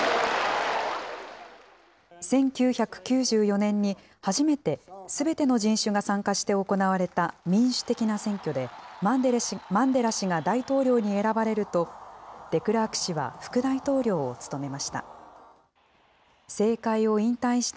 １９９４年に初めてすべての人種が参加して行われた民主的な選挙で、マンデラ氏が大統領に選ばれると、デクラーク氏は副大統領を務めました。